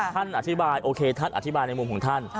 ท่านอธิบายโอเคท่านอธิบายในมุมของท่าน